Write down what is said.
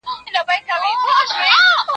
ما د سبا لپاره د ژبي تمرين کړی دی!؟